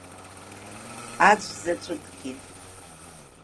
Аӡәзаҵәыкгьы!